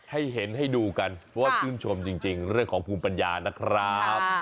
ให้เห็นให้ดูกันเพราะว่าชื่นชมจริงเรื่องของภูมิปัญญานะครับ